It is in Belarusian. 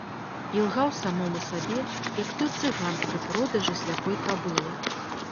Ілгаў самому сабе, як той цыган пры продажы сляпой кабылы.